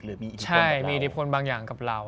หรือมีอินพลบางอย่างกับเรา